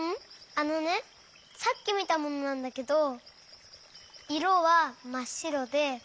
あのねさっきみたものなんだけどいろはまっしろで。